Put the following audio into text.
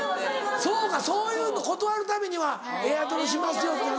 そうかそういうの断るためには「エアドロしますよ」って言うのか。